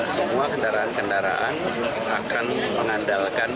semua kendaraan kendaraan akan mengandalkan